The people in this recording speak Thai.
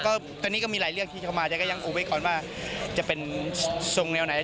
ตอนนี้ก็มีหลายเรื่องที่เข้ามาแต่ก็ยังอุบไว้ก่อนว่าจะเป็นทรงแนวไหน